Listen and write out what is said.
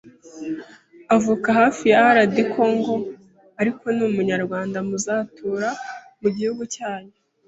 avuka hafi ya RD Congo ariko ni umunyarwanda muzatura mu gihugu cyanyu